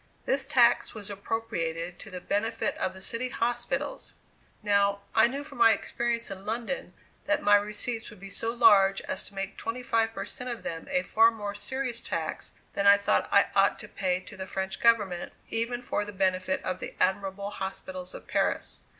This tax was appropriated to the benefit of the city hospitals. Now, I knew from my experience in London, that my receipts would be so large as to make twenty five per cent of them a far more serious tax than I thought I ought to pay to the French government, even for the benefit of the admirable hospitals of Paris.